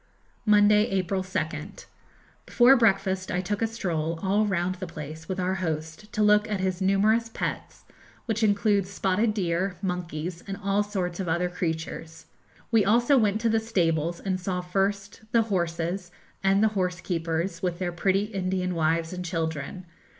Monday, April 2nd. Before breakfast I took a stroll all round the place, with our host, to look at his numerous pets, which include spotted deer, monkeys, and all sorts of other creatures. We also went to the stables, and saw first the horses, and the horsekeepers with their pretty Indian wives and children.